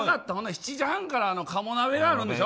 ７時半から鴨鍋があるんでしょ。